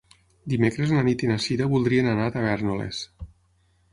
Dimecres na Nit i na Cira voldrien anar a Tavèrnoles.